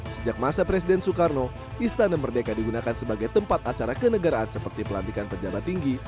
sejak masa presiden soekarno istana merdeka digunakan sebagai tempat acara kenegaraan seperti pelantikan pejabat tinggi